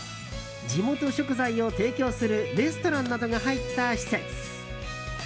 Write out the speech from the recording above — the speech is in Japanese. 地元食材を提供するレストランなどが入った施設。